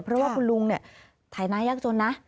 เพราะว่าคุณลุงเนี่ยฐานะยากจนนะ